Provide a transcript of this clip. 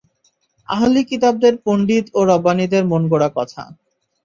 আহলি কিতাবদের পণ্ডিত ও রাব্বানীদের মনগড়া কথা।